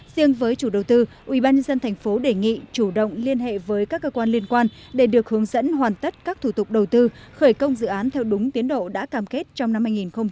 riêng với chủ đầu tư ubnd tp đề nghị chủ động liên hệ với các cơ quan liên quan để được hướng dẫn hoàn tất các thủ tục đầu tư khởi công dự án theo đúng tiến độ đã cam kết trong năm hai nghìn hai mươi